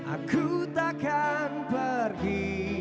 aku takkan pergi